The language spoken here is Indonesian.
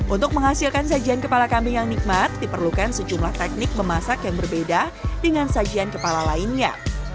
untuk menghasilkan sajian kepala kambing yang nikmat diperlukan sejumlah teknik memasak yang berbeda dengan sajian kepala lainnya